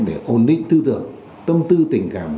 để ổn định tư tưởng tâm tư tình cảm